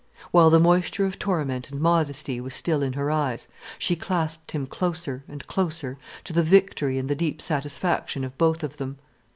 While the moisture of torment and modesty was still in her eyes, she clasped him closer, and closer, to the victory and the deep satisfaction of both of them.